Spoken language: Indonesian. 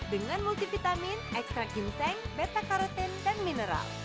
dengan multivitamin ekstrak ginseng beta karotin dan mineral